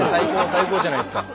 最高じゃないですか。